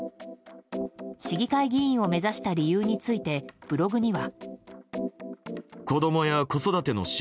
市議会議員を目指した理由について、ブログには。